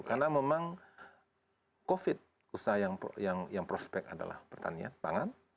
karena memang covid usaha yang prospek adalah pertanian pangan